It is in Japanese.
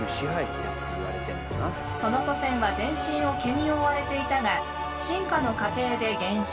その祖先は全身を毛に覆われていたが進化の過程で減少。